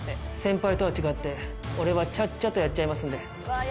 先輩とは違って俺はちゃっちゃとやっちゃいますんで。